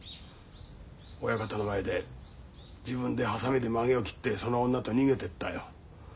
親方の前で自分でハサミでまげを切ってその女と逃げてったよ。